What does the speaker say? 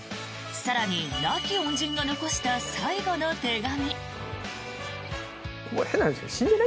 更に、亡き恩人が残した最後の手紙。